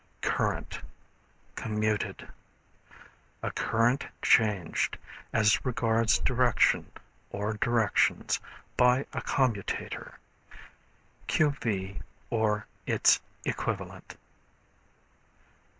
Current, Commuted. A current changed, as regards direction or directions, by a commutator, q. v., or its equivalent.